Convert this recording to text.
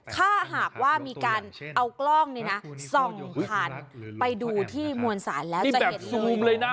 ข้าหากว่ามีการเอากล้องส่องผ่านไปดูที่มวลสารแล้วจะเห็นเลย